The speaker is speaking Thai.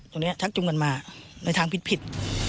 คนนี้ทักจุงกันมาในทางผิด